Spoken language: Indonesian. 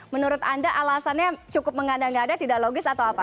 menurut anda alasannya cukup mengada ngada tidak logis atau apa